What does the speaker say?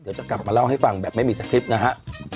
เดี๋ยวจะกลับมาเล่าให้ฟังแบบไม่มีสคริปต์นะฮะ